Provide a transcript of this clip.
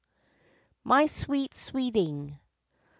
MY SWEET SWEETING.